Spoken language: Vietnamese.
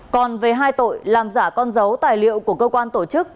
còn về hai tội làm giả con dấu tài liệu của cơ quan tổ chức